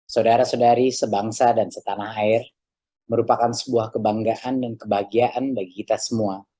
saudara saudari sebangsa dan setanah air merupakan sebuah kebanggaan dan kebahagiaan bagi kita semua